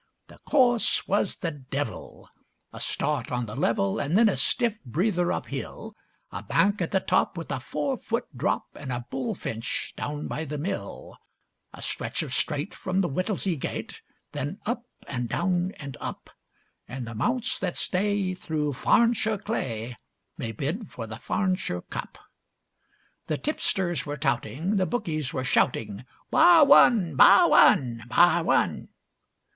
The course was the devil! A start on the level, And then a stiff breather uphill; A bank at the top with a four foot drop, And a bullfinch down by the mill. A stretch of straight from the Whittlesea gate, Then up and down and up; And the mounts that stay through Farnshire clay May bid for the Farnshire Cup. The tipsters were touting, the bookies were shouting 'Bar one, bar one, bar one!